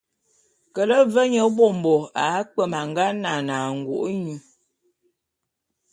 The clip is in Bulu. Kele ve nye mbômbo akpwem a nga nane angô’é nyô.